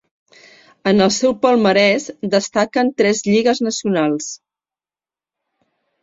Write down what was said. En el seu palmarès destaquen tres lligues nacionals.